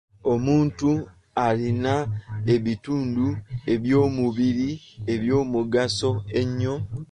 Omuntu alina ebitundu eby'omugaso ennyo.